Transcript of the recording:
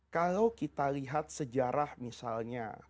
kalau kita lihat sejarah misalnya